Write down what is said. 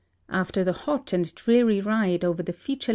After the hot and dreary ride over the featurele.